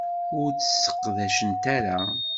Ur tt-sseqdacent ara.